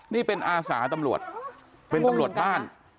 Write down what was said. นี่เป็นอาสาตำรวจเป็นตำรวจบ้าน